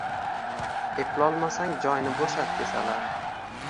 Eplolmasang joyni bo’shat desalar